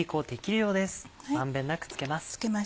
満遍なく付けます。